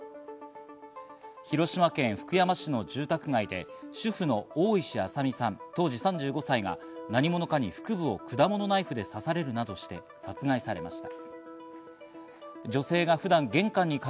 広島県福山市の住宅街で主婦の大石朝美さん、当時３５歳が何者かに腹部を果物ナイフで刺されるなどして殺害されました。